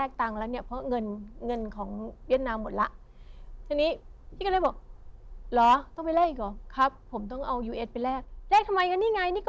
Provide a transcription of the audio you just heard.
คือเป็นเงินกรงแต็กอย่างนี้หรอ